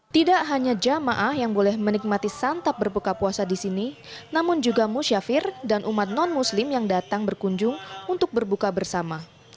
tidak hanya jamaah yang boleh menikmati santap berbuka puasa di sini namun juga musyafir dan umat non muslim yang datang berkunjung untuk berbuka bersama